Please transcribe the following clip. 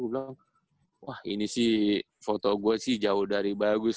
gue bilang wah ini sih foto gue sih jauh dari bagus